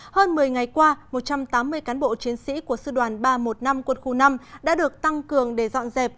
hơn một mươi ngày qua một trăm tám mươi cán bộ chiến sĩ của sư đoàn ba trăm một mươi năm quân khu năm đã được tăng cường để dọn dẹp